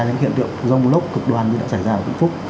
những hiện tượng rông lốc cực đoan như đã xảy ra ở vĩnh phúc